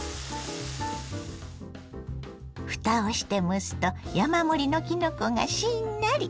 ふたをして蒸すと山盛りのきのこがしんなり。